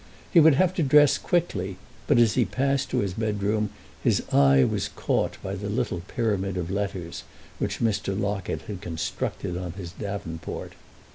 He would have to dress quickly, but as he passed to his bedroom his eye was caught by the little pyramid of letters which Mr. Locket had constructed on his davenport.